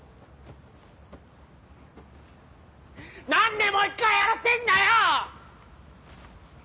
何でもう一回やらせんだよ！